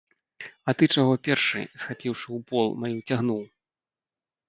А ты чаго першы, схапіўшы ўпол, маю цягнуў?